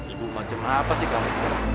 ibu macam apa sih kamu